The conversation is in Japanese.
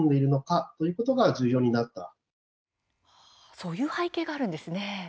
そういう背景があるんですね。